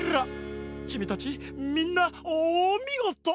チミたちみんなおみごと！